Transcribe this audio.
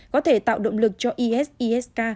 có thể tạo động lực cho isis k